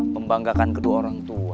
membanggakan kedua orang tua